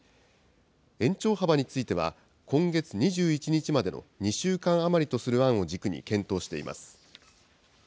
延長幅については、今月２１日までの２週間余りとする案を軸に検討しています。